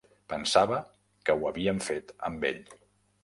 Pensava que ho havíem fet amb ell.